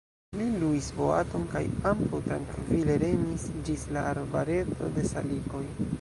Li luis boaton kaj ambaŭ trankvile remis ĝis la arbareto de salikoj.